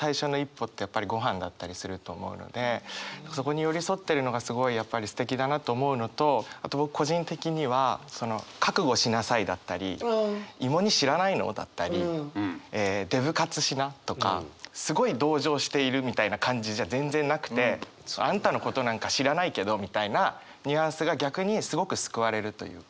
そこに寄り添ってるのがすごいすてきだなと思うのとあと僕個人的には「覚悟しなさい」だったり「芋煮知らないの？」だったり「デブ活しな」とかすごい同情しているみたいな感じじゃ全然なくて。あんたのことなんか知らないけどみたいなニュアンスが逆にすごく救われるというか。